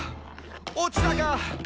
落ちたか！」